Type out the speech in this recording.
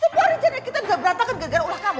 semua rencana kita ngebratakan gara gara ulah kamu